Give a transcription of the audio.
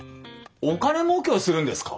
お金もうけをするんですか？